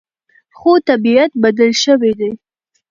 خو طبیعت بدل شوی دی.